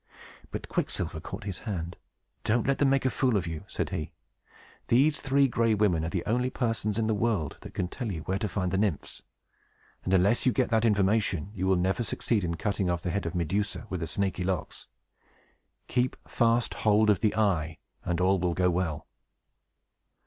But Quicksilver caught his hand. "Don't let them make a fool of you!" said he. "These Three Gray Women are the only persons in the world that can tell you where to find the Nymphs; and, unless you get that information, you will never succeed in cutting off the head of Medusa with the snaky locks. Keep fast hold of the eye, and all will go well."